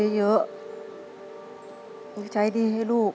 สวัสดี